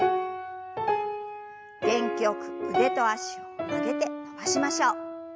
元気よく腕と脚を曲げて伸ばしましょう。